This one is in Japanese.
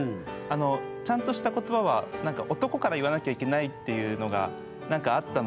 あのちゃんとした言葉は男から言わなきゃいけないっていうのがあったので。